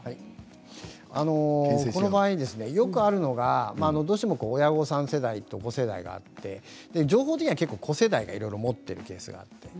この場合、よくあるのがどうしても親御さん世代と子世代があって情報的には子世代がいろいろ持っているケースがあります。